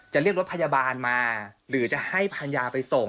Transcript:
เรียกรถพยาบาลมาหรือจะให้ภรรยาไปส่ง